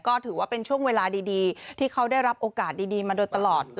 ก็ถือว่าเป็นช่วงเวลาดีที่เขาได้รับโอกาสดีมาโดยตลอด